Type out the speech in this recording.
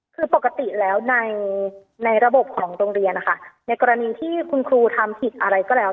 คือปกติแล้วในระบบของโรงเรียนนะคะในกรณีที่คุณครูทำผิดอะไรก็แล้ว